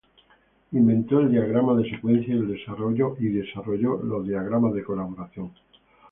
Inventó el diagrama de secuencia y desarrolló los diagramas de colaboración.